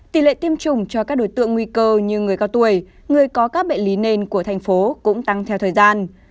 tỷ lệ tiêm chủng cho các đối tượng nguy cơ như người cao tuổi người có các bệnh lý nền của thành phố cũng tăng theo thời gian